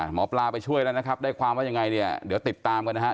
หมอปลาไปช่วยแล้วนะครับได้ความว่ายังไงเนี่ยเดี๋ยวติดตามกันนะฮะ